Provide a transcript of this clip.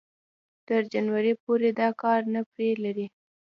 تر جنوري پورې دې کار نه پرې لري